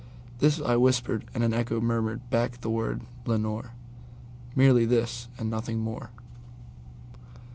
This I whispered, and an echo murmured back the word, "Lenore:"Merely this and nothing more.